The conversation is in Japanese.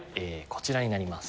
こちらになります。